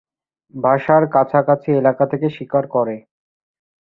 বাসার কাছাকাছি এলাকা থেকে শিকার করে।